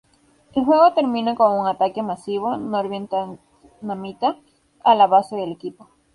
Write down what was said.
El juego termina con un ataque masivo norvietnamita a la base del equipo.